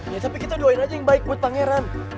ya tapi kita doain aja yang baik buat pangeran